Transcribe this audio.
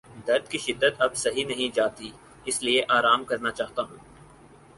درد کی شدت اب سہی نہیں جاتی اس لیے آرام کرنا چاہتا ہوں